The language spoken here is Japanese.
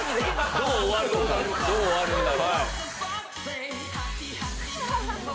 どう終わるんだろう。